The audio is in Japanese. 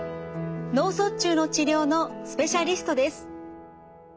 脳卒中の治療のスペシャリストです。